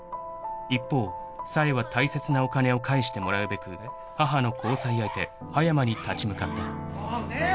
［一方冴は大切なお金を返してもらうべく母の交際相手葉山に立ち向かった］